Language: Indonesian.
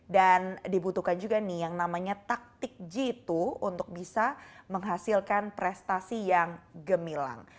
dan dibutuhkan juga yang namanya taktik g dua untuk bisa menghasilkan prestasi yang gemilang